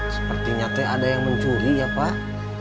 sepertinya teh ada yang mencuri ya pak